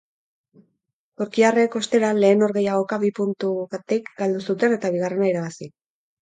Turkiarrek, ostera, lehen norgehiagoka bi puntugtik galdu zuten eta bigarrena irabazi.